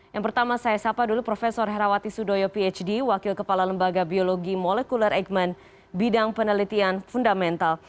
yang pertama saya sapa dulu prof herawati sudoyo phd wakil kepala lembaga biologi molekuler eijkman bidang penelitian fundamental